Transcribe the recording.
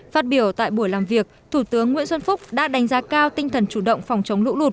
phát biểu tại buổi làm việc thủ tướng nguyễn xuân phúc đã đánh giá cao tinh thần chủ động phòng chống lũ lụt